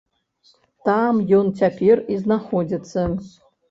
Там ён цяпер і знаходзіцца.